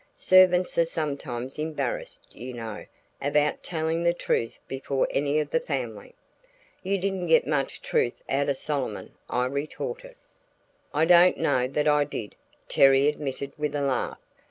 Servants are sometimes embarrassed, you know, about telling the truth before any of the family." "You didn't get much truth out of Solomon," I retorted. "I don't know that I did," Terry admitted with a laugh.